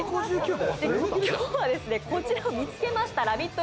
今日はこちらを見つけましたＬＯＶＥＩＴ！